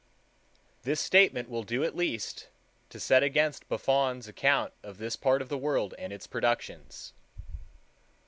This statement will do at least to set against Buffon's account of this part of the world and its productions.